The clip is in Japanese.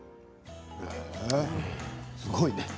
すごいね。